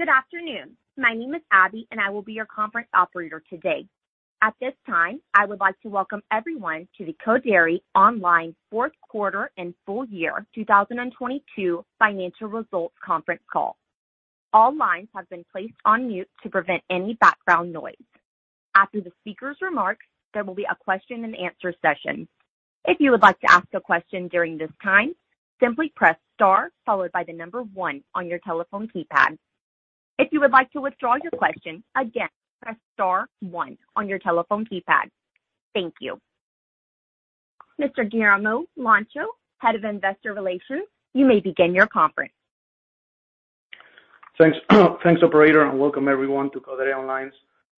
Good afternoon. My name is Abby, and I will be your conference operator today. At this time, I would like to welcome everyone to the Codere Online Q4 and Full Year 2022 financial results conference call. All lines have been placed on mute to prevent any background noise. After the speaker's remarks, there will be a question and answer session. If you would like to ask a question during this time, simply press star followed by the number one on your telephone keypad. If you would like to withdraw your question, again, press star one on your telephone keypad. Thank you. Mr. Guillermo Lancha, Head of Investor Relations, you may begin your conference. Thanks, operator, welcome everyone to Codere Online's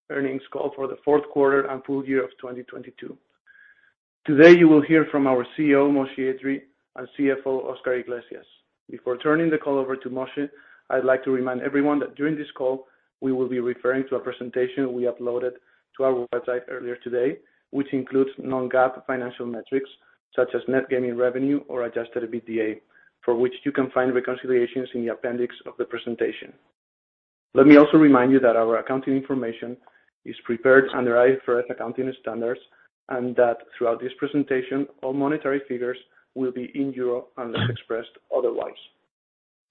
earnings call for the Q4 and full year of 2022. Today you will hear from our CEO, Moshe Edree, and CFO, Oscar Iglesias. Before turning the call over to Moshe, I'd like to remind everyone that during this call we will be referring to a presentation we uploaded to our website earlier today, which includes non-GAAP financial metrics such as Net Gaming Revenue or Adjusted EBITDA, for which you can find reconciliations in the appendix of the presentation. Let me also remind you that our accounting information is prepared under IFRS accounting standards, throughout this presentation, all monetary figures will be in EUR unless expressed otherwise.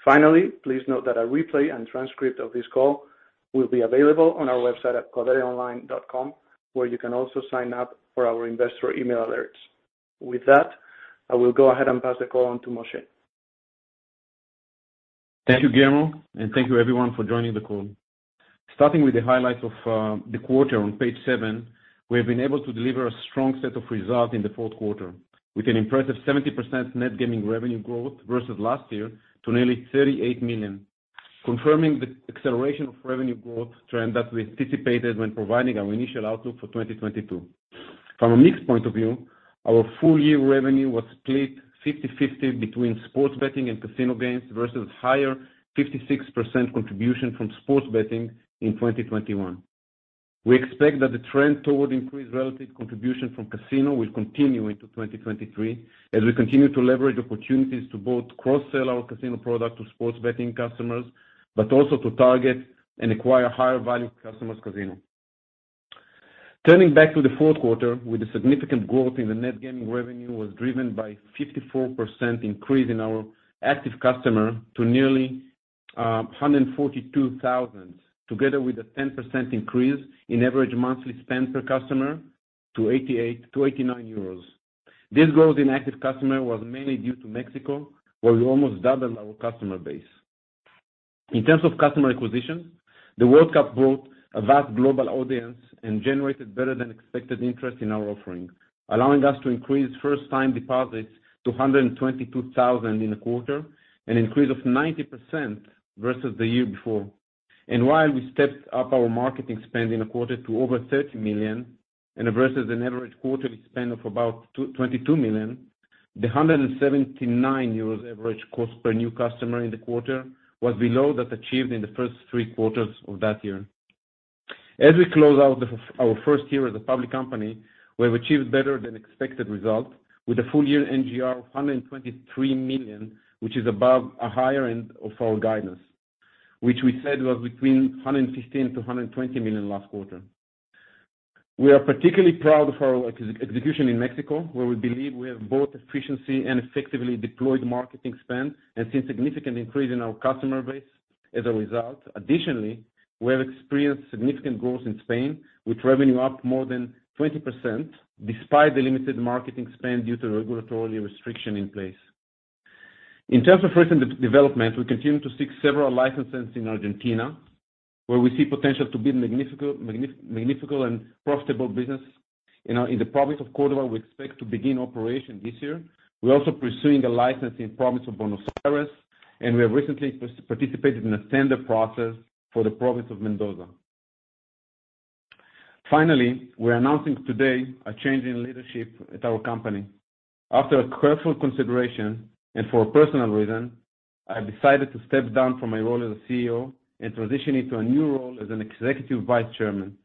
Finally, please note that a replay and transcript of this call will be available on our website at codereonline.com, where you can also sign up for our investor email alerts. With that, I will go ahead and pass the call on to Moshe. Thank you, Guillermo, thank you everyone for joining the call. Starting with the highlights of the quarter on page seven, we have been able to deliver a strong set of results in the Q4 with an impressive 70% Net Gaming Revenue growth versus last year to nearly 38 million. Confirming the acceleration of revenue growth trend that we anticipated when providing our initial outlook for 2022. From a mix point of view, our full year revenue was split 50/50 between sports betting and casino games versus higher 56% contribution from sports betting in 2021. We expect that the trend toward increased relative contribution from casino will continue into 2023 as we continue to leverage opportunities to both cross-sell our casino product to sports betting customers, but also to target and acquire higher value customers casino. Turning back to the Q4, with the significant growth in the Net Gaming Revenue was driven by 54% increase in our active customer to nearly 142,000, together with a 10% increase in average monthly spend per customer to 88-89 euros. This growth in active customer was mainly due to Mexico, where we almost doubled our customer base. In terms of customer acquisition, the World Cup brought a vast global audience and generated better than expected interest in our offering, allowing us to increase First-Time Deposits to 122,000 in a quarter, an increase of 90% versus the year before. While we stepped up our marketing spend in a quarter to over 30 million and versus an average quarterly spend of about 22 million, the 179 euros average cost per new customer in the quarter was below that achieved in the first three quarters of that year. As we close out our first year as a public company, we have achieved better than expected result with a full year NGR of 123 million, which is above a higher end of our guidance, which we said was between 115 million to 120 million last quarter. We are particularly proud of our execution in Mexico, where we believe we have both efficiency and effectively deployed marketing spend and seen significant increase in our customer base as a result. Additionally, we have experienced significant growth in Spain, with revenue up more than 20% despite the limited marketing spend due to regulatory restriction in place. In terms of recent development, we continue to seek several licenses in Argentina, where we see potential to build magnifical and profitable business. In the province of Córdoba, we expect to begin operation this year. We're also pursuing a license in province of Buenos Aires, and we have recently participated in a tender process for the province of Mendoza. Finally, we're announcing today a change in leadership at our company. After a careful consideration and for a personal reason, I decided to step down from my role as a CEO and transition into a new role as an executive vice chairman.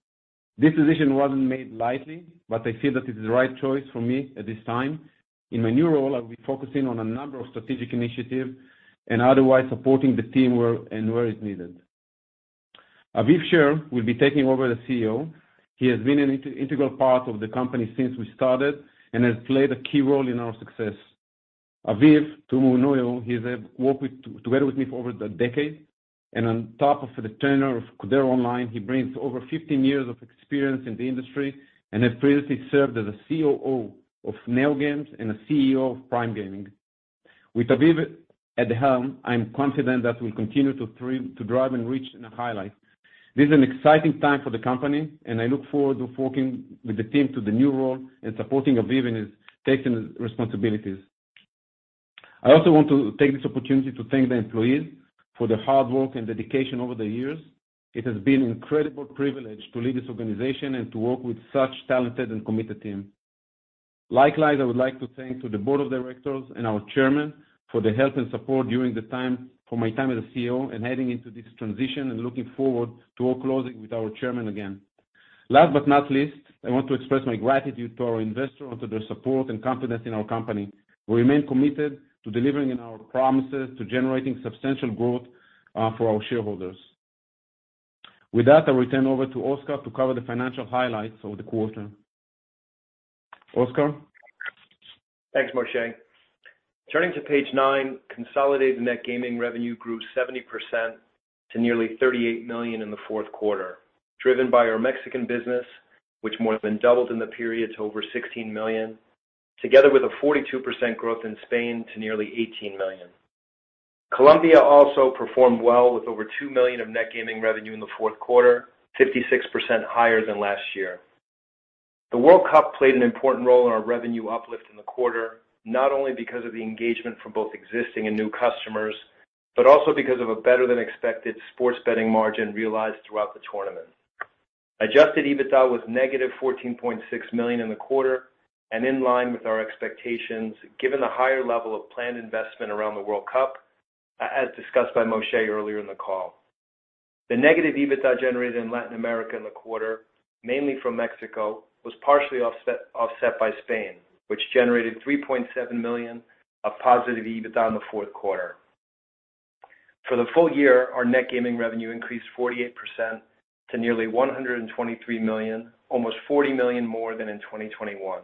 This decision wasn't made lightly, but I feel that it's the right choice for me at this time. In my new role, I'll be focusing on a number of strategic initiatives and otherwise supporting the team where and where is needed. Aviv Sher will be taking over as CEO. He has been an integral part of the company since we started and has played a key role in our success. Aviv, to whom I know, he's worked together with me for over a decade. On top of the tenure of Codere Online, he brings over 15 years of experience in the industry and has previously served as a COO of NeoGames and a CEO of Prime Gaming. With Aviv at the helm, I'm confident that we'll continue to drive and reach new highlights. This is an exciting time for the company, and I look forward to working with the team to the new role and supporting Aviv in his taking responsibilities. I also want to take this opportunity to thank the employees for their hard work and dedication over the years. It has been an incredible privilege to lead this organization and to work with such talented and committed team. Likewise, I would like to thank to the board of directors and our chairman for their help and support for my time as a CEO and heading into this transition and looking forward to work closely with our chairman again. Last but not least, I want to express my gratitude to our investors for their support and confidence in our company. We remain committed to delivering in our promises to generating substantial growth for our shareholders. With that, I'll return over to Oscar to cover the financial highlights of the quarter. Oscar. Thanks, Moshe. Turning to page nine, consolidated Net Gaming Revenue grew 70% to nearly 38 million in the Q4, driven by our Mexican business, which more than doubled in the period to over 16 million, together with a 42% growth in Spain to nearly 18 million. Colombia also performed well with over 2 million of Net Gaming Revenue in the Q4, 56% higher than last year. The World Cup played an important role in our revenue uplift in the quarter, not only because of the engagement from both existing and new customers, but also because of a better than expected sports betting margin realized throughout the tournament. Adjusted EBITDA was negative 14.6 million in the quarter and in line with our expectations, given the higher level of planned investment around the World Cup, as discussed by Moshe earlier in the call. The negative EBITDA generated in Latin America in the quarter, mainly from Mexico, was partially offset by Spain, which generated 3.7 million of positive EBITDA in the Q4. For the full year, our Net Gaming Revenue increased 48% to nearly 123 million, almost 40 million more than in 2021.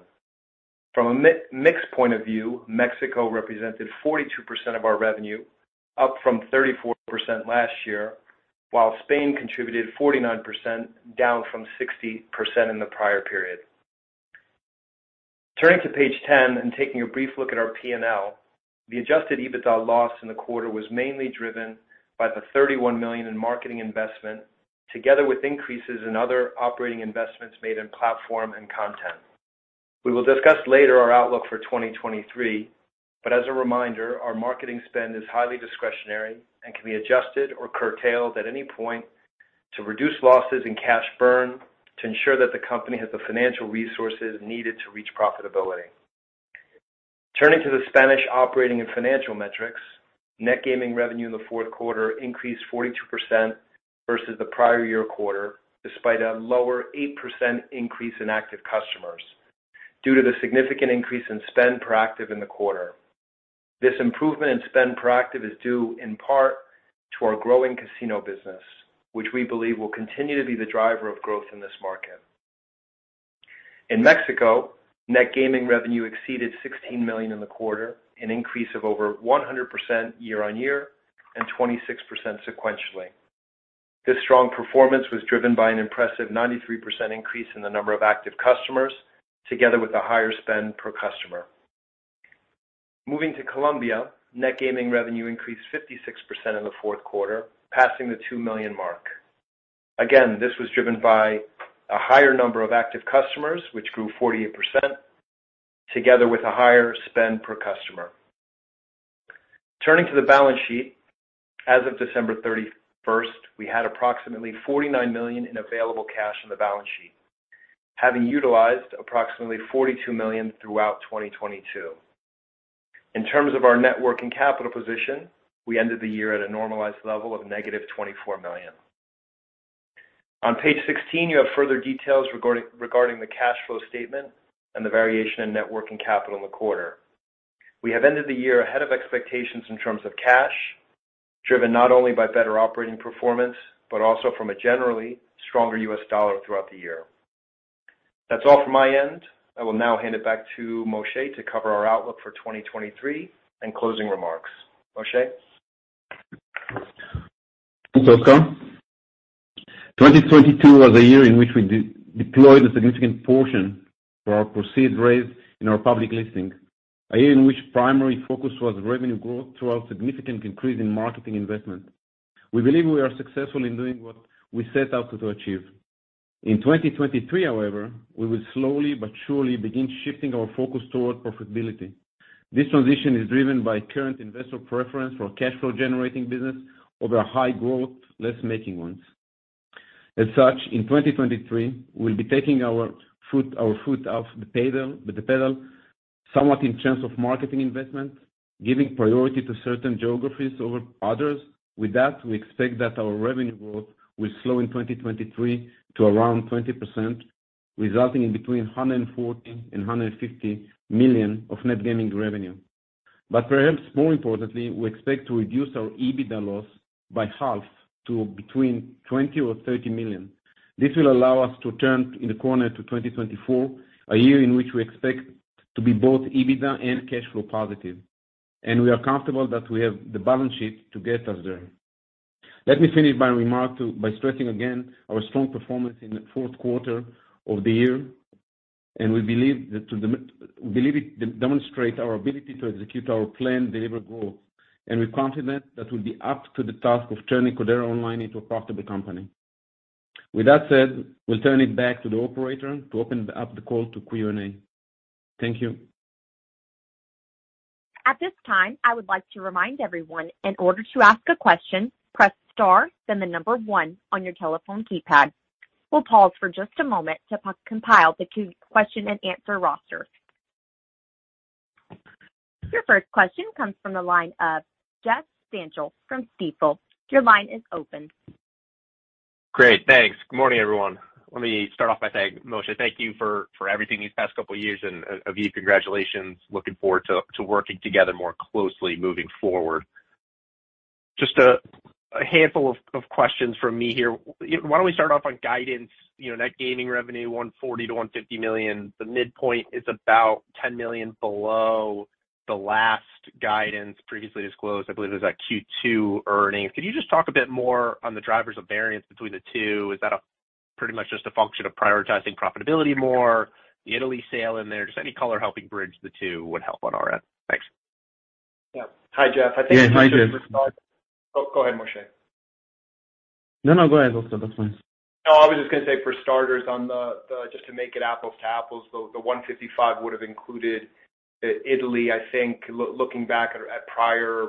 From a mixed point of view, Mexico represented 42% of our revenue, up from 34% last year, while Spain contributed 49%, down from 60% in the prior period. Turning to page 10 and taking a brief look at our P&L, the Adjusted EBITDA loss in the quarter was mainly driven by the 31 million in marketing investment, together with increases in other operating investments made in platform and content. We will discuss later our outlook for 2023, but as a reminder, our marketing spend is highly discretionary and can be adjusted or curtailed at any point to reduce losses and cash burn to ensure that the company has the financial resources needed to reach profitability. Turning to the Spanish operating and financial metrics, Net Gaming Revenue in the Q4 increased 42% versus the prior year quarter, despite a lower 8% increase in active customers due to the significant increase in spend per active in the quarter. This improvement in spend per active is due in part to our growing casino business, which we believe will continue to be the driver of growth in this market. In Mexico, Net Gaming Revenue exceeded 16 million in the quarter, an increase of over 100% year-over-year and 26% sequentially. This strong performance was driven by an impressive 93% increase in the number of active customers together with a higher spend per customer. Moving to Colombia, Net Gaming Revenue increased 56% in the Q4, passing the 2 million mark. Again, this was driven by a higher number of active customers, which grew 48% together with a higher spend per customer. Turning to the balance sheet, as of December 31st, we had approximately 49 million in available cash on the balance sheet, having utilized approximately 42 million throughout 2022. In terms of our Net Working Capital position, we ended the year at a normalized level of -24 million. On page 16, you have further details regarding the cash flow statement and the variation in Net Working Capital in the quarter. We have ended the year ahead of expectations in terms of cash, driven not only by better operating performance, but also from a generally stronger US dollar throughout the year. That's all from my end. I will now hand it back to Moshe to cover our outlook for 2023 and closing remarks. Moshe. Thanks, Oscar. 2022 was a year in which we de-deployed a significant portion for our proceed raise in our public listing, a year in which primary focus was revenue growth through our significant increase in marketing investment. We believe we are successful in doing what we set out to achieve. In 2023, however, we will slowly but surely begin shifting our focus toward profitability. This transition is driven by current investor preference for cash flow generating business over high growth, less making ones. In 2023, we'll be taking our foot off the pedal, somewhat in terms of marketing investment, giving priority to certain geographies over others. We expect that our revenue growth will slow in 2023 to around 20%, resulting in between 140 million and 150 million of Net Gaming Revenue. Perhaps more importantly, we expect to reduce our EBITDA loss by half to between 20 million or 30 million. This will allow us to turn in the corner to 2024, a year in which we expect to be both EBITDA and cash flow positive. We are comfortable that we have the balance sheet to get us there. Let me finish my remark by stressing again our strong performance in the Q4 of the year, we believe that it demonstrate our ability to execute our planned deliver growth, we're confident that we'll be up to the task of turning Codere Online into a profitable company. With that said, we'll turn it back to the operator to open up the call to Q&A. Thank you. At this time, I would like to remind everyone, in order to ask a question, press star, then the number one on your telephone keypad. We'll pause for just a moment to compile the question and answer roster. Your first question comes from the line of Jeff Stantial from Stifel. Your line is open. Great, thanks. Good morning, everyone. Let me start off by saying, Moshe, thank you for everything these past couple of years. Aviv, congratulations. Looking forward to working together more closely moving forward. Just a handful of questions from me here. Why don't we start off on guidance, you know, Net Gaming Revenue 140 million-150 million. The midpoint is about 10 million below the last guidance previously disclosed, I believe it was at Q2 earnings. Could you just talk a bit more on the drivers of variance between the two? Is that a pretty much just a function of prioritizing profitability more, the Italy sale in there? Just any color helping bridge the two would help on our end. Thanks. Yeah. Hi, Jeff. Yeah. Hi, Jeff. Go ahead, Moshe. No, no, go ahead, Oscar. That's fine. No, I was just gonna say for starters, on the, just to make it apples to apples, the 155 would have included Italy. I think looking back at prior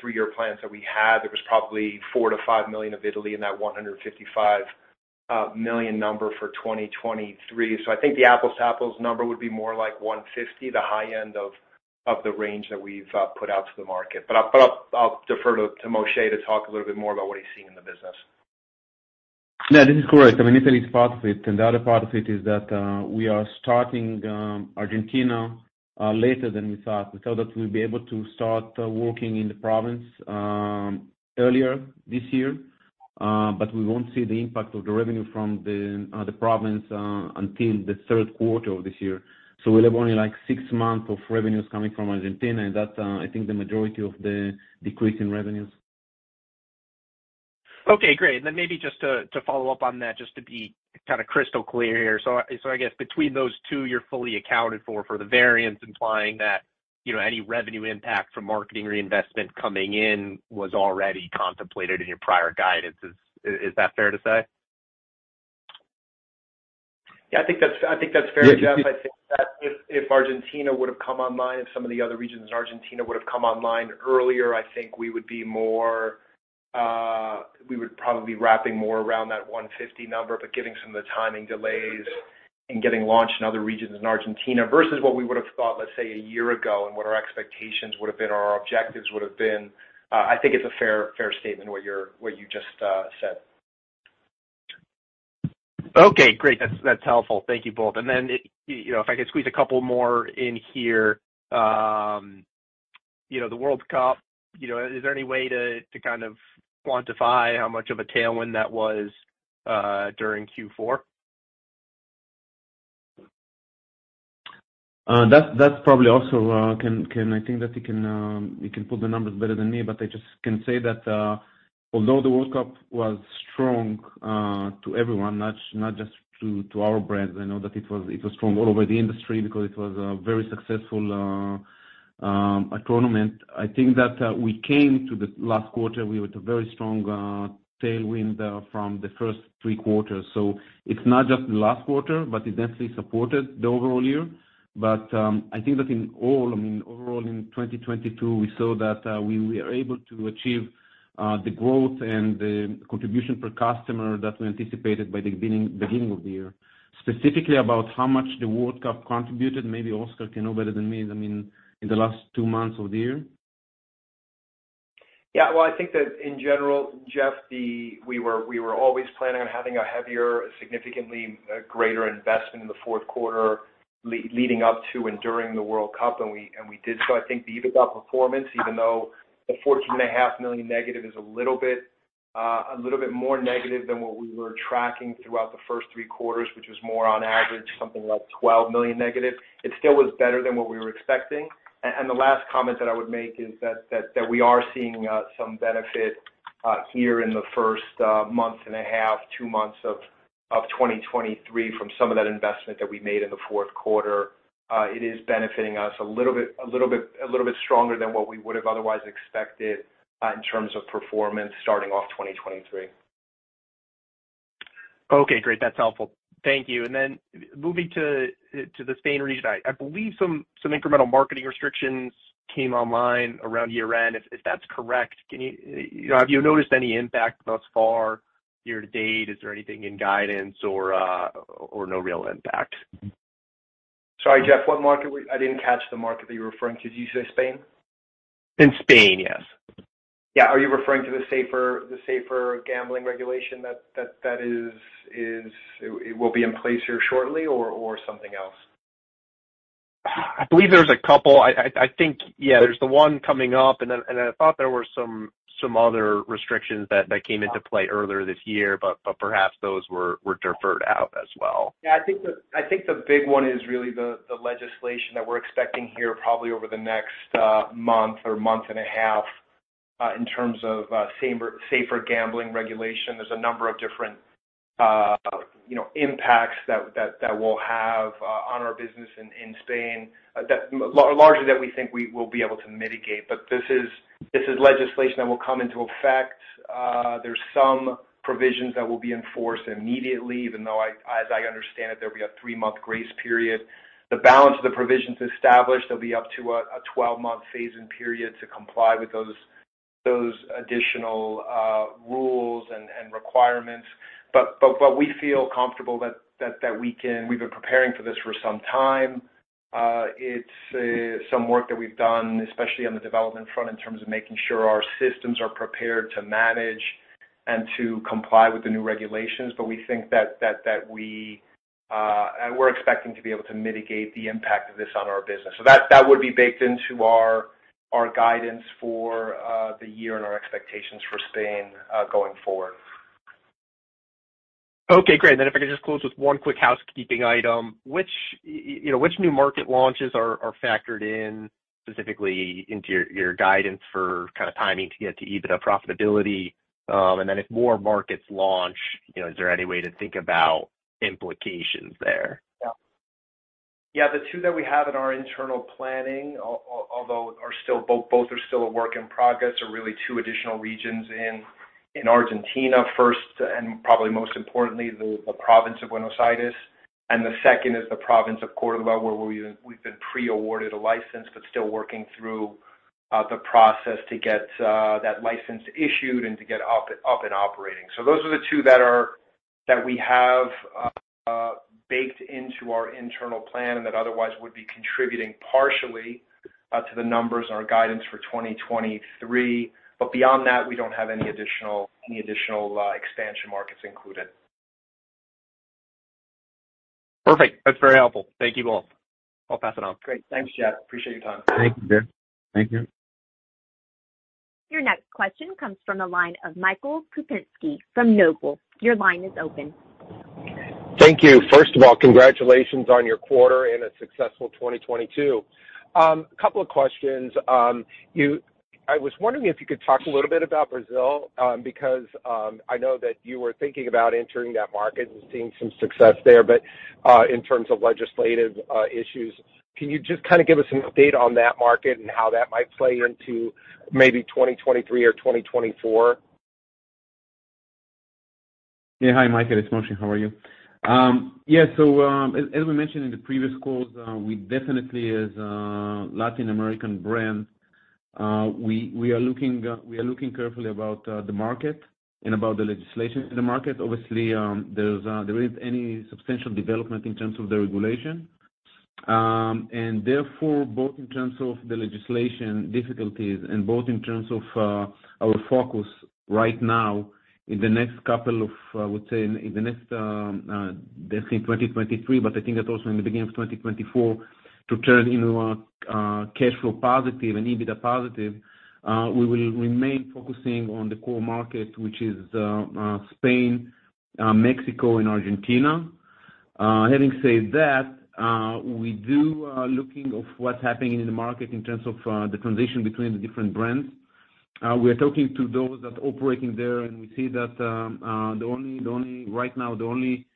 three-year plans that we had, there was probably 4 million-5 million of Italy in that 155 million number for 2023. I think the apples to apples number would be more like 150, the high end of the range that we've put out to the market. I'll defer to Moshe to talk a little bit more about what he's seeing in the business. Yeah, this is correct. I mean, Italy is part of it. The other part of it is that we are starting Argentina later than we thought. We thought that we'll be able to start working in the province earlier this year, but we won't see the impact of the revenue from the province until the Q3 of this year. We'll have only, like, six months of revenues coming from Argentina, and that's I think the majority of the decrease in revenues. Okay, great. Maybe just to follow up on that, just to be kind of crystal clear here. I guess between those two, you're fully accounted for the variance implying that, you know, any revenue impact from marketing reinvestment coming in was already contemplated in your prior guidance. Is that fair to say? I think that's, I think that's fair, Jeff. I think that if Argentina would have come online, if some of the other regions in Argentina would have come online earlier, I think we would be more, we would probably be wrapping more around that 150 number. Given some of the timing delays in getting launched in other regions in Argentina versus what we would have thought, let's say, a year ago and what our expectations would have been, or our objectives would have been, I think it's a fair statement what you just said. Okay, great. That's, that's helpful. Thank you both. You know, if I could squeeze a couple more in here. You know, the World Cup, you know, is there any way to kind of quantify how much of a tailwind that was during Q4? That's, that's probably also, I think that he can, he can put the numbers better than me, but I just can say that, although the World Cup was strong, to everyone, not just to our brand, I know that it was, it was strong all over the industry because it was a very successful tournament. I think that, we came to the last quarter, we were at a very strong tailwind from the first 3 quarters. It's not just the last quarter, but it definitely supported the overall year. I think that in all, I mean, overall in 2022, we saw that, we are able to achieve the growth and the contribution per customer that we anticipated by the beginning of the year. Specifically about how much the World Cup contributed, maybe Oscar can know better than me, I mean, in the last two months of the year. Well, I think that in general, Jeff, we were always planning on having a heavier, significantly greater investment in the Q4 leading up to and during the World Cup, and we did. I think the EBITDA performance, even though the 14.5 million negative is a little bit more negative than what we were tracking throughout the first three quarters, which was more on average, something like 12 million negative. It still was better than what we were expecting. The last comment that I would make is that we are seeing some benefit here in the first month and a half, two months of 2023 from some of that investment that we made in the Q4. It is benefiting us a little bit stronger than what we would have otherwise expected, in terms of performance starting off 2023. Okay, great. That's helpful. Thank you. Moving to the Spain region. I believe some incremental marketing restrictions came online around year-end. If that's correct, have you noticed any impact thus far year-to-date? Is there anything in guidance or no real impact? Sorry, Jeff. What market were you... I didn't catch the market that you were referring to. Did you say Spain? In Spain, yes. Yeah. Are you referring to the safer gambling regulation that is it will be in place here shortly or something else? I believe there's a couple. I think, yeah, there's the one coming up then, I thought there were some other restrictions that came into play earlier this year, but perhaps those were deferred out as well. Yeah, I think the, I think the big one is really the legislation that we're expecting here probably over the next month or month and a half in terms of safer gambling regulation. There's a number of different, you know, impacts that will have on our business in Spain that largely we think we will be able to mitigate. This is legislation that will come into effect. There's some provisions that will be enforced immediately, even though as I understand it, there'll be a three-month grace period. The balance of the provisions established, there'll be up to a 12-month phase-in period to comply with those additional rules and requirements. We feel comfortable that we can. We've been preparing for this for some time. It's some work that we've done, especially on the development front, in terms of making sure our systems are prepared to manage and to comply with the new regulations, but we think that we. We're expecting to be able to mitigate the impact of this on our business. That, that would be baked into our guidance for the year and our expectations for Spain, going forward. Okay, great. If I could just close with one quick housekeeping item. Which, you know, which new market launches are factored in specifically into your guidance for kind of timing to get to EBITDA profitability? If more markets launch, you know, is there any way to think about implications there? Yeah. The two that we have in our internal planning, although both are still a work in progress, are really two additional regions in Argentina first, and probably most importantly, the province of Buenos Aires. The second is the province of Cordoba, where we've been pre-awarded a license, but still working through the process to get that license issued and to get up and operating. Those are the two that we have baked into our internal plan and that otherwise would be contributing partially to the numbers in our guidance for 2023. Beyond that, we don't have any additional expansion markets included. Perfect. That's very helpful. Thank you both. I'll pass it on. Great. Thanks, Jeff. Appreciate your time. Thank you, Jeff. Thank you. Your next question comes from the line of Michael Kupinski from Noble. Your line is open. Thank you. First of all, congratulations on your quarter and a successful 2022. Couple of questions. I was wondering if you could talk a little bit about Brazil, because I know that you were thinking about entering that market and seeing some success there, but in terms of legislative issues, can you just kind of give us an update on that market and how that might play into maybe 2023 or 2024? Hi, Michael, it's Moshe. How are you? Yeah. As we mentioned in the previous calls, we definitely as a Latin American brand, we are looking carefully about the market and about the legislation in the market. Obviously, there isn't any substantial development in terms of the regulation. Therefore, both in terms of the legislation difficulties and both in terms of our focus right now in the next couple of, I would say in the next, let's say 2023, but I think that also in the beginning of 2024, to turn into a cash flow positive and EBITDA positive, we will remain focusing on the core market, which is Spain, Mexico and Argentina. Having said that, we do looking of what's happening in the market in terms of the transition between the different brands. We're talking to those that are operating there, and we see that right now, the only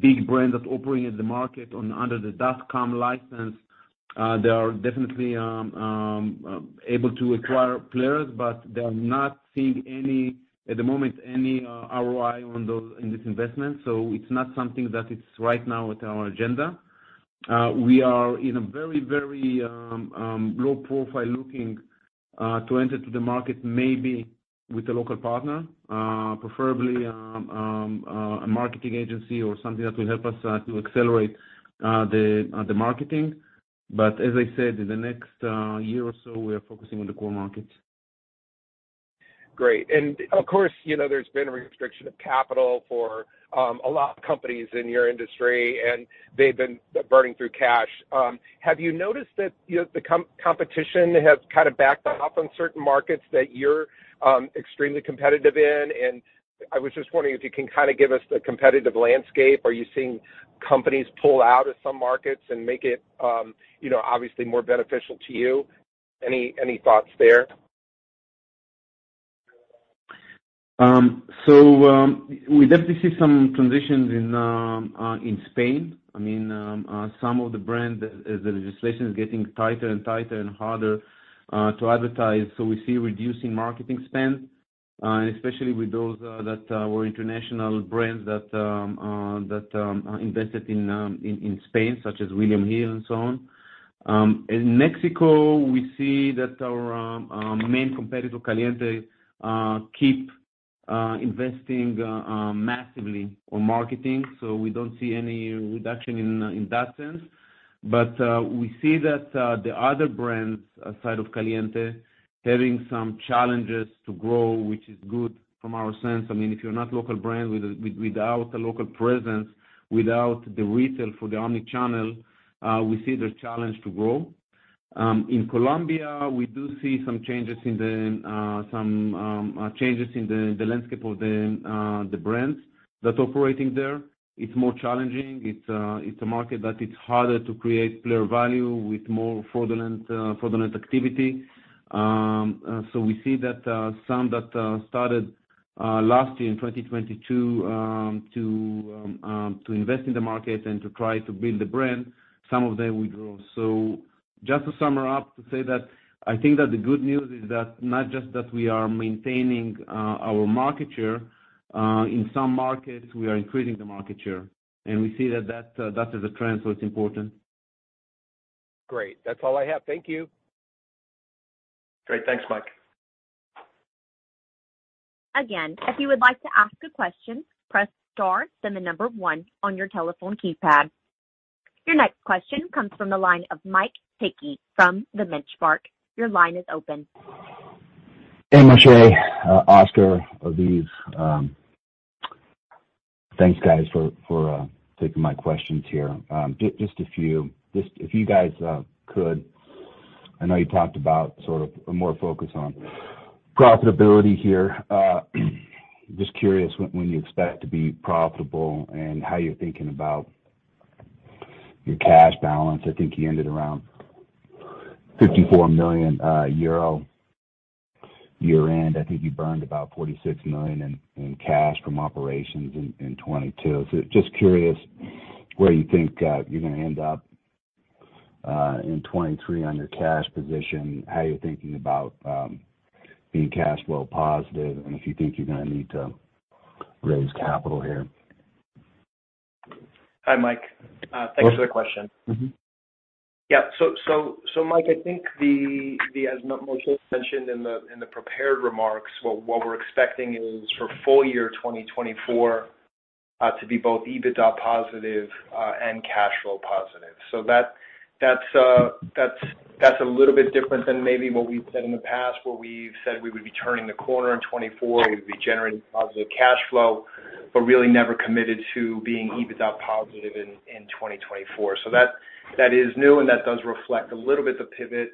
big brand that's operating in the market under the .com license, they are definitely able to acquire players, but they are not seeing any, at the moment, any ROI in this investment. It's not something that is right now on our agenda. We are in a very, very low profile looking to enter to the market maybe with a local partner, preferably a marketing agency or something that will help us to accelerate the marketing. As I said, in the next year or so, we are focusing on the core markets. Great. Of course, you know, there's been a restriction of capital for a lot of companies in your industry, and they've been burning through cash. Have you noticed that, you know, the competition has kind of backed off on certain markets that you're extremely competitive in? I was just wondering if you can kind of give us the competitive landscape. Are you seeing companies pull out of some markets and make it, you know, obviously more beneficial to you? Any thoughts there? We definitely see some transitions in Spain. I mean, some of the brands, as the legislation is getting tighter and tighter and harder to advertise, so we see reducing marketing spend, and especially with those that were international brands that invested in Spain, such as William Hill and so on. In Mexico, we see that our main competitor, Caliente, keep investing massively on marketing, so we don't see any reduction in that sense. We see that the other brands outside of Caliente having some challenges to grow, which is good from our sense. I mean, if you're not local brand without a local presence, without the retail for the omnichannel, we see the challenge to grow. In Colombia, we do see some changes in the landscape of the brands that's operating there. It's more challenging. It's a market that it's harder to create player value with more fraudulent activity. We see that some that started last year in 2022 to invest in the market and to try to build the brand, some of them withdrew. Just to sum it up to say that I think that the good news is that not just that we are maintaining our market share in some markets, we are increasing the market share, and we see that is a trend, so it's important. Great. That's all I have. Thank you. Great. Thanks, Mike. Again, if you would like to ask a question, press star, then one on your telephone keypad. Your next question comes from the line of Mike Hickey from Benchmark. Your line is open. Hey, Moshe, Oscar, Aviv. Thanks guys for taking my questions here. Just a few. If you guys could, I know you talked about sort of more focus on profitability here. Just curious when you expect to be profitable and how you're thinking about your cash balance? I think you ended around 54 million euro year-end. I think you burned about 46 million in cash from operations in 2022. Just curious where you think you're gonna end up in 2023 on your cash position, how you're thinking about being cash flow positive, and if you think you're gonna need to raise capital here? Hi, Mike. Thanks for the question. Mike, I think as Moshe mentioned in the prepared remarks, what we're expecting is for full year 2024 to be both EBITDA positive and cash flow positive. That's a little bit different than maybe what we've said in the past, where we've said we would be turning the corner in 2024, we'd be generating positive cash flow, but really never committed to being EBITDA positive in 2024. That is new, and that does reflect a little bit the pivot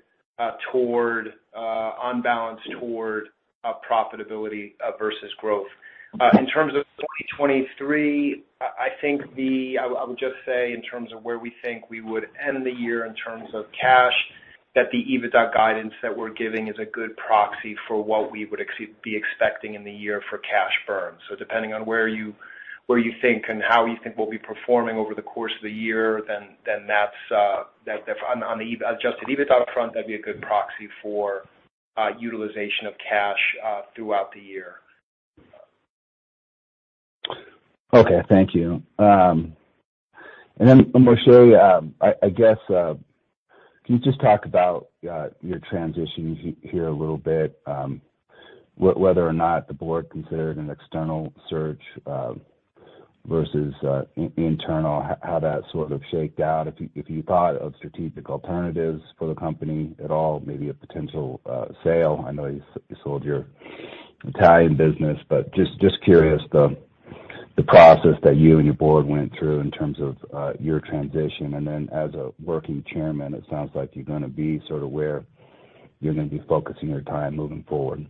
toward on balance toward profitability versus growth. In terms of 2023, I would just say in terms of where we think we would end the year in terms of cash, that the EBITDA guidance that we're giving is a good proxy for what we would be expecting in the year for cash burn. Depending on where you think and how you think we'll be performing over the course of the year, then that's. On the Adjusted EBITDA front, that'd be a good proxy for utilization of cash throughout the year. Okay. Thank you. And then Moshe, I guess, can you just talk about your transition here a little bit, whether or not the board considered an external search, versus internal, how that sort of shaked out, if you, if you thought of strategic alternatives for the company at all, maybe a potential sale. I know you sold your Italian business, but just curious the process that you and your board went through in terms of your transition. As a working chairman, it sounds like you're gonna be sort of where you're gonna be focusing your time moving forward.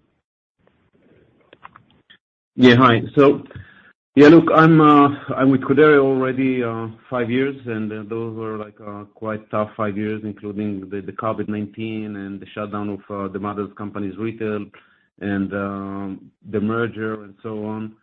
Yeah. Hi. Yeah, look, I'm with Codere already five years, and those were like quite tough five years, including the COVID-19 and the shutdown of the mother's company's retail and the merger and so on.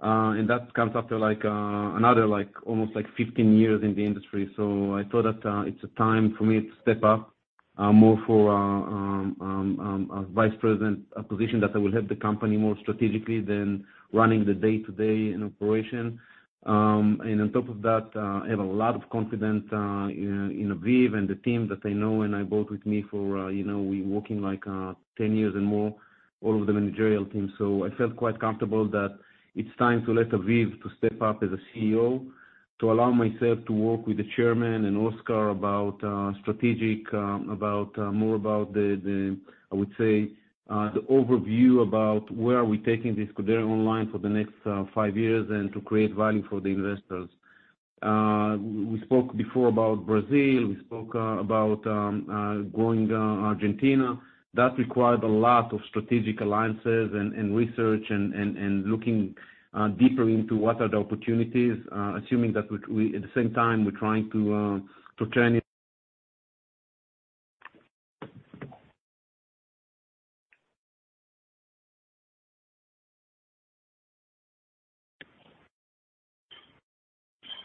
That comes after like another like almost like 15 years in the industry. I thought that it's a time for me to step up more for a Vice President position that I will help the company more strategically than running the day-to-day in operation. On top of that, I have a lot of confidence in Aviv and the team that I know and I bought with me for, you know, we working like 10 years and more, all of the managerial team. I felt quite comfortable that it's time to let Aviv to step up as a CEO, to allow myself to work with the chairman and Oscar about strategic, about more about the, I would say, the overview about where are we taking this Codere Online for the next five years and to create value for the investors. We spoke before about Brazil, we spoke about growing Argentina. That required a lot of strategic alliances and research and looking deeper into what are the opportunities, assuming that we at the same time, we're trying to turn it.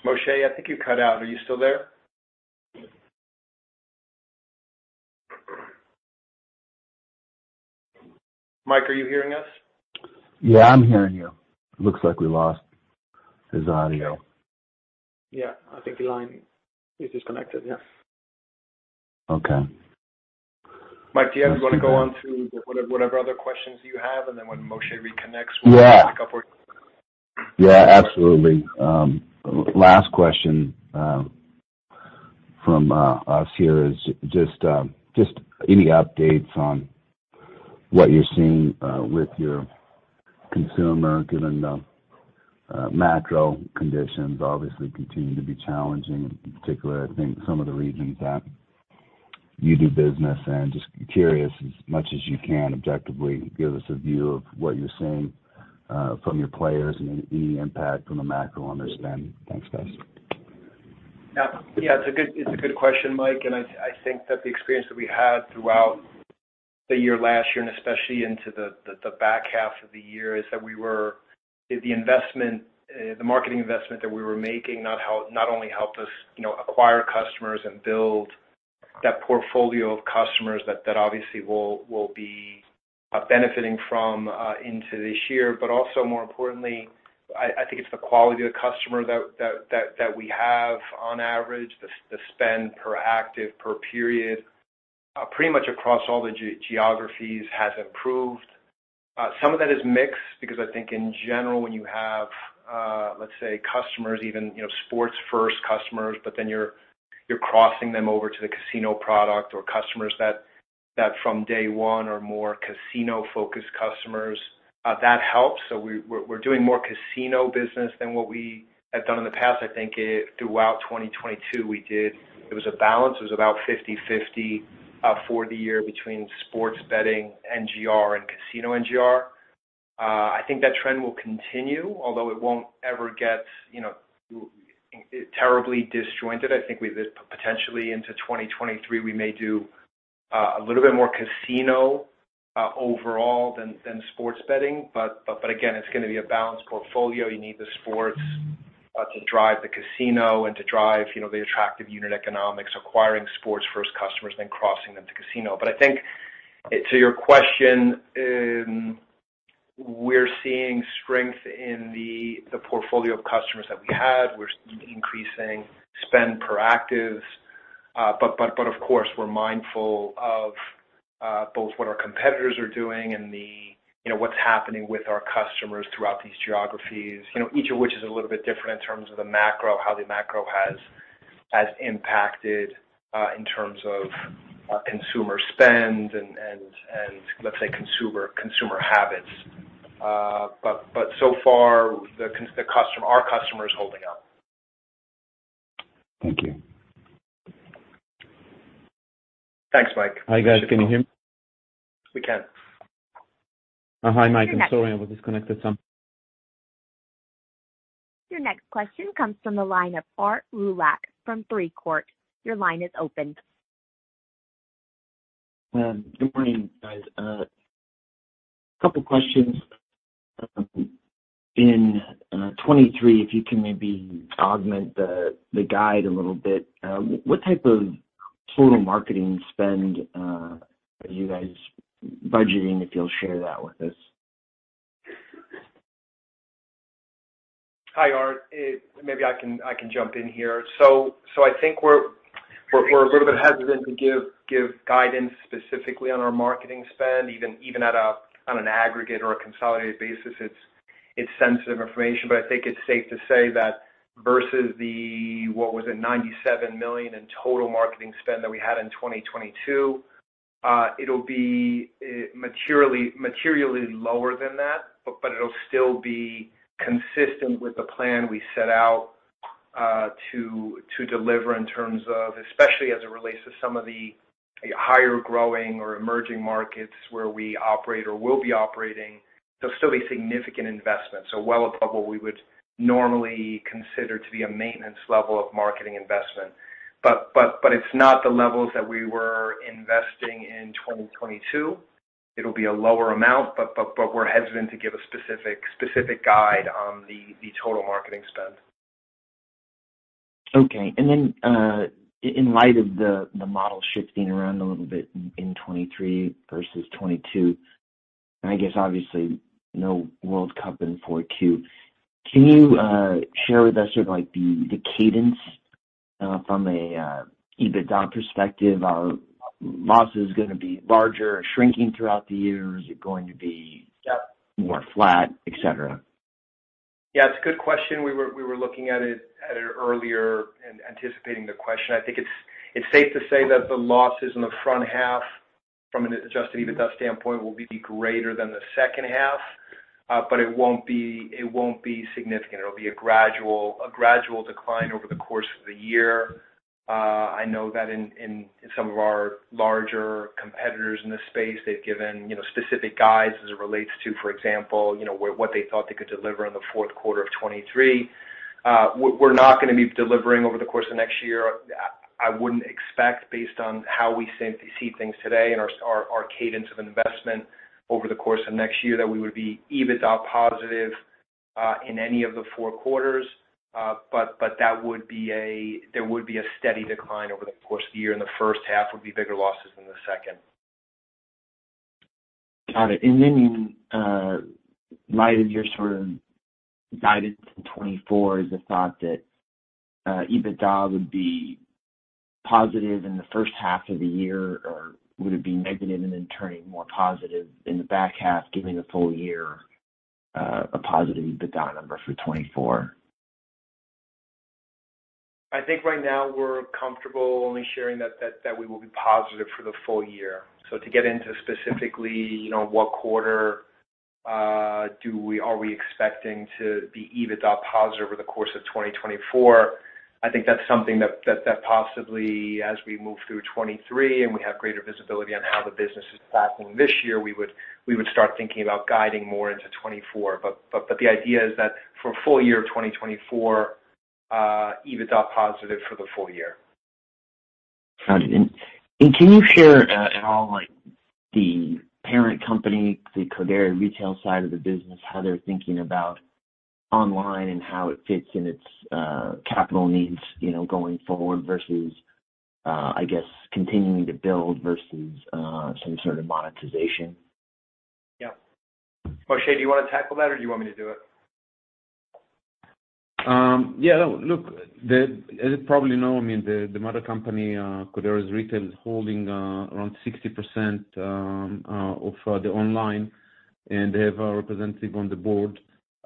Moshe, I think you cut out. Are you still there? Mike, are you hearing us? Yeah, I'm hearing you. Looks like we lost his audio. Yeah. I think the line is disconnected. Yeah. Okay. Mike, do you want to go on to whatever other questions you have, and then when Moshe reconnects- Yeah. we'll pick up where... Yeah, absolutely. Last question, from us here is just any updates on what you're seeing with your consumer, given the macro conditions obviously continue to be challenging, in particular, I think some of the regions that you do business. Just curious, as much as you can objectively give us a view of what you're seeing from your players and any impact from the macro on their spend. Thanks, guys. Yeah. It's a good question, Mike. I think that the experience that we had throughout the year last year, and especially into the back half of the year, is that the investment, the marketing investment that we were making, not only helped us, you know, acquire customers and build that portfolio of customers that obviously will be benefiting from into this year. Also more importantly, I think it's the quality of the customer that we have on average. The spend per active per period, pretty much across all the geographies has improved. Some of that is mixed because I think in general, when you have, let's say customers, even, you know, sports first customers, but then you're crossing them over to the casino product or customers that from day one are more casino-focused customers, that helps. We're, we're doing more casino business than what we have done in the past. I think throughout 2022, we did. It was a balance. It was about 50/50 for the year between sports betting NGR and casino NGR. I think that trend will continue, although it won't ever get, you know, terribly disjointed. I think potentially into 2023, we may do a little bit more casino overall than sports betting. Again, it's gonna be a balanced portfolio. You need the sports to drive the casino and to drive, you know, the attractive unit economics, acquiring sports first customers, then crossing them to casino. I think to your question, we're seeing strength in the portfolio of customers that we have. We're increasing Spend per actives. Of course, we're mindful of both what our competitors are doing and the, you know, what's happening with our customers throughout these geographies, you know, each of which is a little bit different in terms of the macro, how the macro has impacted in terms of consumer spend and, and let's say consumer habits. So far the customer, our customer is holding up. Thank you. Thanks, Mike. Hi, guys. Can you hear me? We can. Oh, hi, Mike. I'm sorry I was disconnected some. Your next question comes from the line of Art Roulac from Three Court. Your line is open. Good morning, guys. Couple questions. In 2023, if you can maybe augment the guide a little bit, what type of total marketing spend are you guys budgeting, if you'll share that with us? Hi, Art. Maybe I can jump in here. I think we're a little bit hesitant to give guidance specifically on our marketing spend. Even at a, on an aggregate or a consolidated basis, it's sensitive information. I think it's safe to say that versus the, what was it, 97 million in total marketing spend that we had in 2022, it'll be materially lower than that, but it'll still be consistent with the plan we set out to deliver in terms of... Especially as it relates to some of the higher growing or emerging markets where we operate or will be operating. There'll still be significant investment, so well above what we would normally consider to be a maintenance level of marketing investment. it's not the levels that we were investing in 2022. It'll be a lower amount, but we're hesitant to give a specific guide on the total marketing spend. Okay. Then, in light of the model shifting around a little bit in 23 versus 22, and I guess obviously no World Cup in 4Q, can you share with us sort of like the cadence, from a EBITDA perspective? Are losses gonna be larger or shrinking throughout the year? Is it going to be? Yep. more flat, et cetera? Yeah, it's a good question. We were looking at it earlier and anticipating the question. I think it's safe to say that the losses in the front half from an Adjusted EBITDA standpoint will be greater than the H2. It won't be significant. It'll be a gradual decline over the course of the year. I know that in some of our larger competitors in this space, they've given, you know, specific guides as it relates to, for example, you know, what they thought they could deliver in the Q4 of 2023. We're not gonna be delivering over the course of next year. I wouldn't expect based on how we see things today and our cadence of investment over the course of next year, that we would be EBITDA positive in any of the 4 quarters. There would be a steady decline over the course of the year, and the H1 would be bigger losses than the second. Got it. In light of your sort of guidance in 2024, is the thought that EBITDA would be positive in the H1 of the year? Would it be negative and then turning more positive in the back half, giving the full year a positive EBITDA number for 2024? I think right now we're comfortable only sharing that we will be positive for the full year. To get into specifically, you know, what quarter are we expecting to be EBITDA positive over the course of 2024, I think that's something that possibly as we move through 2023 and we have greater visibility on how the business is tracking this year, we would start thinking about guiding more into 2024. The idea is that for full year of 2024, EBITDA positive for the full year. Got it. Can you share, at all, like the parent company, the Codere Retail side of the business, how they're thinking about Online and how it fits in its capital needs, you know, going forward versus, I guess continuing to build versus, some sort of monetization. Yeah. Moshe, do you want to tackle that or do you want me to do it? yeah. Look, as you probably know, I mean, the mother company, Codere Retail is holding around 60% of Codere Online, and they have a representative on the board.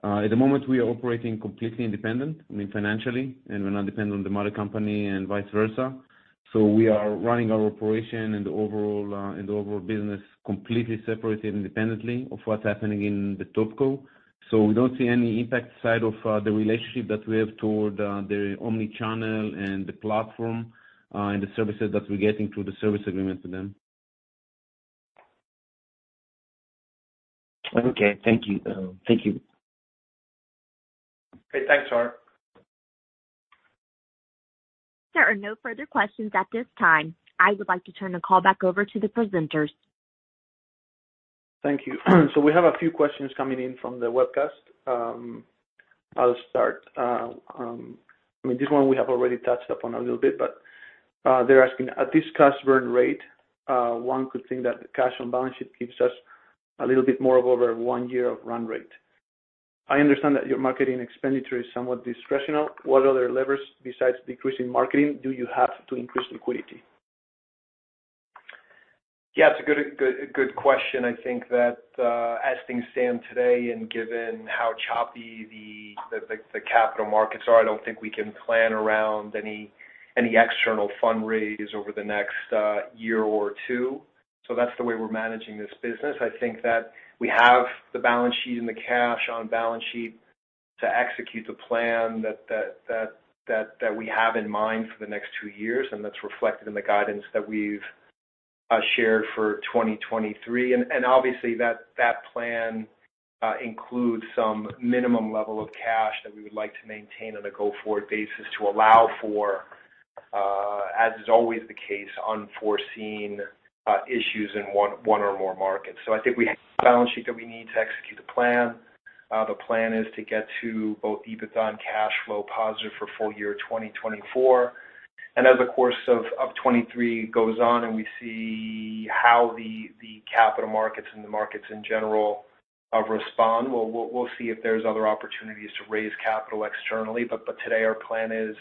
At the moment we are operating completely independent, I mean, financially, and we're not dependent on the mother company and vice versa. We are running our operation and the overall business completely separated independently of what's happening in the TopCo. We don't see any impact side of the relationship that we have toward the omnichannel and the platform and the services that we're getting through the service agreement with them. Okay. Thank you. Thank you. Okay. Thanks, Art. There are no further questions at this time. I would like to turn the call back over to the presenters. Thank you. We have a few questions coming in from the webcast. I'll start. I mean, this one we have already touched upon a little bit. They're asking, at this cash burn rate, one could think that the cash on balance sheet gives us a little bit more of over one year of run rate. I understand that your marketing expenditure is somewhat discretional. What other levers besides decreasing marketing do you have to increase liquidity? Yeah, it's a good question. I think that, as things stand today and given how choppy the capital markets are, I don't think we can plan around any external fundraise over the next year or two. That's the way we're managing this business. I think that we have the balance sheet and the cash on balance sheet to execute the plan that we have in mind for the next two years, and that's reflected in the guidance that we've shared for 2023. Obviously that plan includes some minimum level of cash that we would like to maintain on a go-forward basis to allow for, as is always the case, unforeseen issues in one or more markets. I think we have the balance sheet that we need to execute the plan. The plan is to get to both EBITDA and cash flow positive for full year 2024. As the course of 2023 goes on and we see how the capital markets and the markets in general respond, we'll see if there's other opportunities to raise capital externally. Today our plan is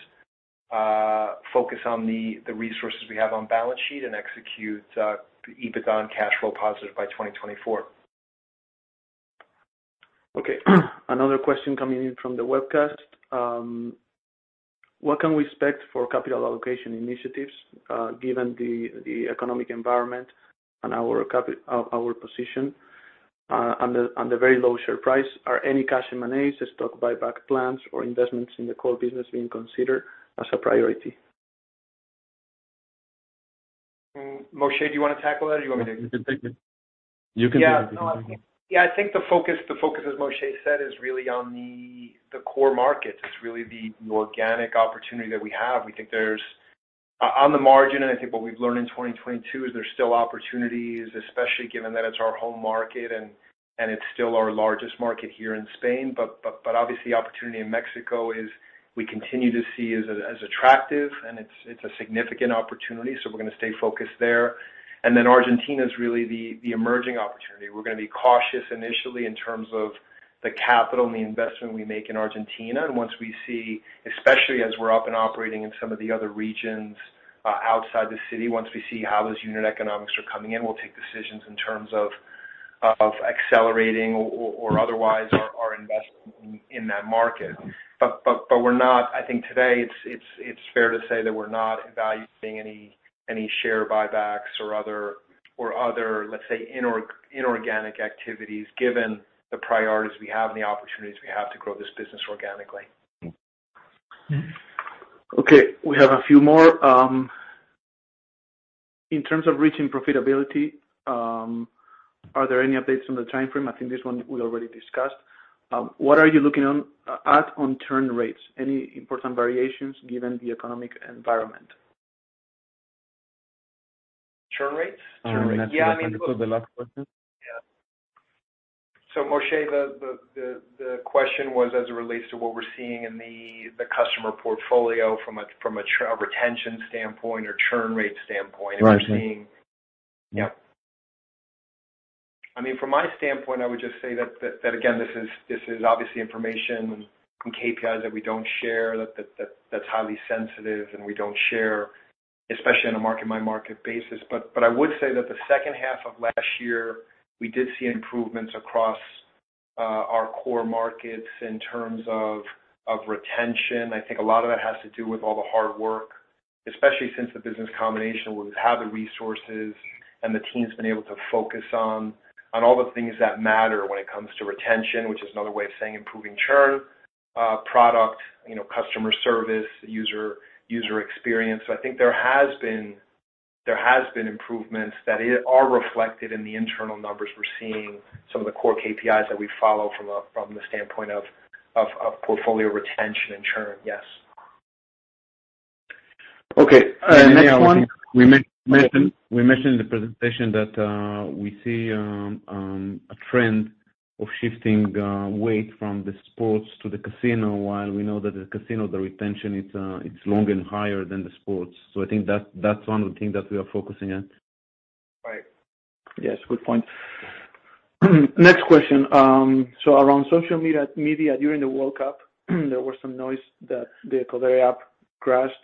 focus on the resources we have on balance sheet and execute the EBITDA and cash flow positive by 2024. Okay. Another question coming in from the webcast. What can we expect for capital allocation initiatives, given the economic environment and our position, and the very low share price? Are any cash M&As, the stock buyback plans, or investments in the core business being considered as a priority? Moshe, do you wanna tackle that or do you want me? You can take it. No, I think the focus, as Moshe said, is really on the core markets. It's really the organic opportunity that we have. I think what we've learned in 2022 is there's still opportunities, especially given that it's our home market and it's still our largest market here in Spain. Obviously opportunity in Mexico is we continue to see as attractive and it's a significant opportunity, we're gonna stay focused there. Argentina is really the emerging opportunity. We're gonna be cautious initially in terms of the capital and the investment we make in Argentina. Once we see, especially as we're up and operating in some of the other regions, outside the city, once we see how those unit economics are coming in, we'll take decisions in terms of accelerating or otherwise our investment in that market. I think today it's fair to say that we're not evaluating any share buybacks or other, let's say, inorganic activities given the priorities we have and the opportunities we have to grow this business organically. Okay. We have a few more. In terms of reaching profitability, are there any updates on the timeframe? I think this one we already discussed. What are you looking on at on churn rates? Any important variations given the economic environment? Churn rates? Churn rates. Yeah, I mean. That's actually the last question. Yeah. Moshe, the question was as it relates to what we're seeing in the customer portfolio from a retention standpoint or churn rate standpoint. If you're seeing. Right. Yeah. I mean, from my standpoint, I would just say that again, this is, this is obviously information from KPIs that we don't share, that's highly sensitive and we don't share, especially on a market by market basis. I would say that the H2 of last year, we did see improvements across our core markets in terms of retention. I think a lot of that has to do with all the hard work, especially since the business combination, where we've had the resources and the team's been able to focus on all the things that matter when it comes to retention, which is another way of saying improving churn, product, you know, customer service, user experience. I think there has been improvements that are reflected in the internal numbers we're seeing, some of the core KPIs that we follow from the standpoint of portfolio retention and churn, yes. Okay, next one. We mentioned the presentation that we see a trend of shifting weight from the sports to the casino, while we know that the casino, the retention it's longer and higher than the sports. I think that's one of the things that we are focusing on. Right. Yes. Good point. Next question. Around social media, during the World Cup, there was some noise that the Codere app crashed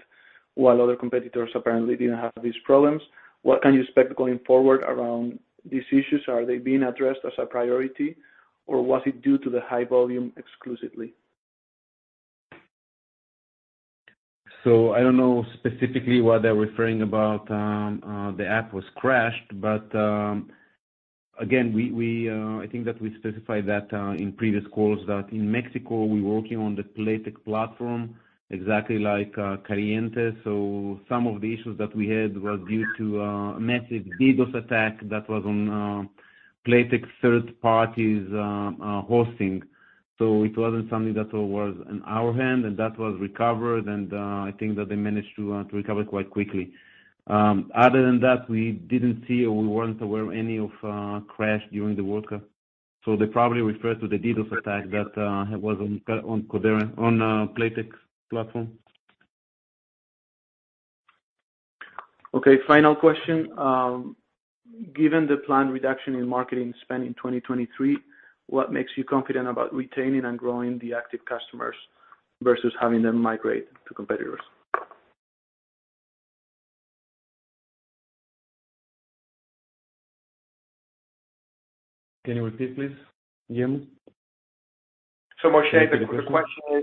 while other competitors apparently didn't have these problems. What can you expect going forward around these issues? Are they being addressed as a priority, or was it due to the high volume exclusively? I don't know specifically what they're referring about, the app was crashed. Again, we, I think that we specified that in previous calls, that in Mexico we're working on the Playtech platform, exactly like Caliente. Some of the issues that we had was due to a massive DDoS attack that was on Playtech's third party's hosting. It wasn't something that was in our hand and that was recovered and I think that they managed to recover quite quickly. Other than that, we didn't see or we weren't aware any of crash during the World Cup. They probably refer to the DDoS attack that was on Codere, on Playtech's platform. Okay. Final question. Given the planned reduction in marketing spend in 2023, what makes you confident about retaining and growing the active customers versus having them migrate to competitors? Can you repeat, please? Jim? Moshe,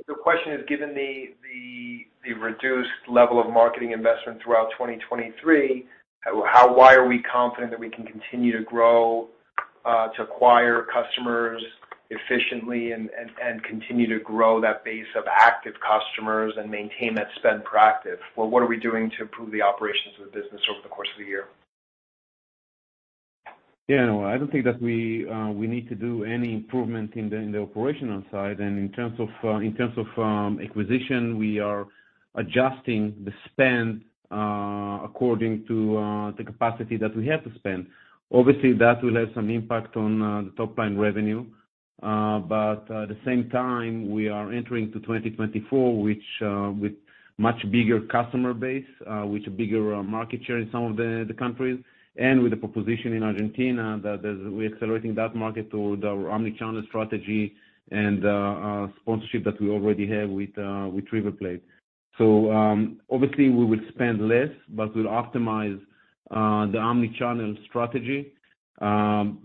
The question is given the reduced level of marketing investment throughout 2023, why are we confident that we can continue to grow, to acquire customers efficiently and continue to grow that base of active customers and maintain that Spend per active? Well, what are we doing to improve the operations of the business over the course of the year? Yeah. No, I don't think that we need to do any improvement in the operational side. In terms of, in terms of acquisition, we are adjusting the spend according to the capacity that we have to spend. Obviously, that will have some impact on the top-line revenue. At the same time we are entering to 2024, which with much bigger customer base, with bigger market share in some of the countries and with the proposition in Argentina that we're accelerating that market toward our omnichannel strategy and our sponsorship that we already have with River Plate. Obviously we will spend less, but we'll optimize the omnichannel strategy.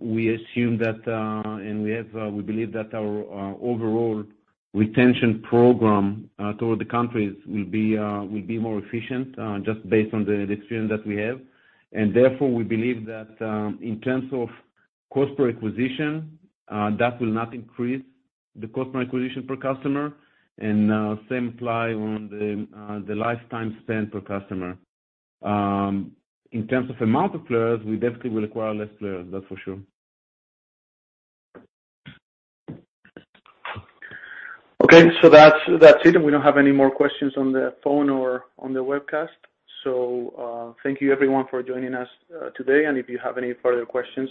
We assume that, and we have, we believe that our overall retention program, toward the countries will be, will be more efficient, just based on the experience that we have. Therefore, we believe that, in terms of Cost Per Acquisition, that will not increase the Cost Per Acquisition per customer. Same apply on the lifetime spend per customer. In terms of amount of players, we definitely will acquire less players, that's for sure. Okay. That's, that's it. We don't have any more questions on the phone or on the webcast. Thank you everyone for joining us today. If you have any further questions,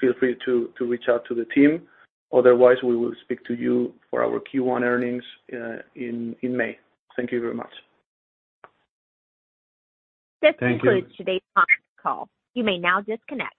feel free to reach out to the team. Otherwise, we will speak to you for our Q1 earnings in May. Thank you very much. Thank you. This concludes today's conference call. You may now disconnect.